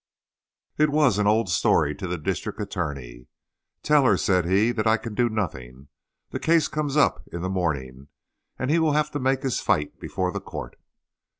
It was an old story to the district attorney. "Tell her," said he, "that I can do nothing. The case comes up in the morning, and he will have to make his fight before the court."